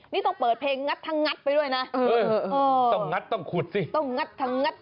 นี่ต้องเปิดเพลงงัดทางงัดไปด้วยนะต้องงัดต้องขุดสิ